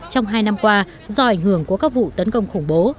trong hai năm qua do ảnh hưởng của các vụ tấn công khủng bố